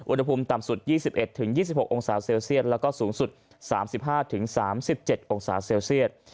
อุณหภูมิต่ำสุด๒๑๒๖องศาเซลเซียตแล้วก็สูงสุด๓๕๓๗องศาเซลเซียต